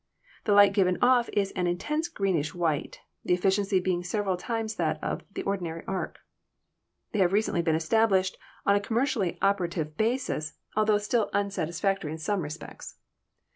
The light given off is an intense greenish white, the efficiency being several times that of the ordinary arc. They have recently been established on a commercially operative basis, altho still unsatisfac 233 ELECTRICITY tory in some respects.